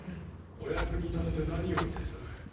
お役に立てて何よりです。